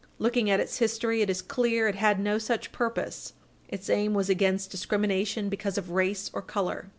Looking at its history, it is clear it had no such purpose. Its aim was against discrimination because of race or color.